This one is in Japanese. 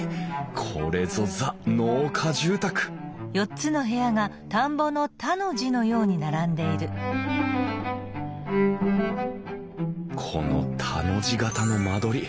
これぞザ・農家住宅この田の字形の間取り。